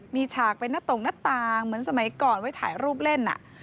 มีฉากเป็นหน้าตรงหน้าต่างเหมือนสมัยก่อนไว้ถ่ายรูปเล่น